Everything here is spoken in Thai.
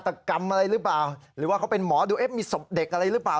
กรรมอะไรหรือเปล่าหรือว่าเขาเป็นหมอดูเอ๊ะมีศพเด็กอะไรหรือเปล่า